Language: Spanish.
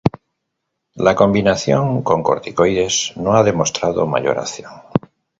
La combinación con corticoides no ha demostrado mayor acción.